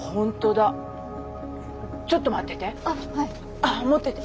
ああ持ってて。